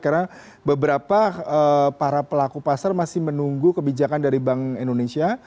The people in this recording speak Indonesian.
karena beberapa para pelaku pasar masih menunggu kebijakan dari bank indonesia